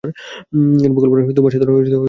এরূপ কল্পনায় তোমার সাধনে অনেক সুবিধা হইবে।